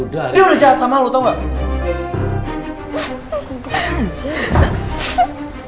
dia sudah jahat sama kamu tahu gak